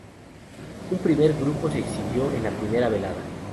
Un primer grupo se exhibió en la primera velada.